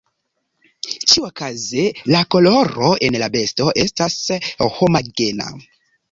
Ĉiukaze la koloro en la besto estas homogena.